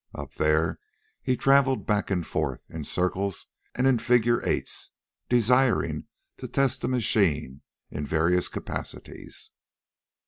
Up there he traveled back and forth, in circles, and in figure eights, desiring to test the machine in various capacities.